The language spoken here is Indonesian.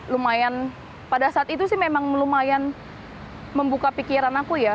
lumayan pada saat itu sih memang lumayan membuka pikiran aku ya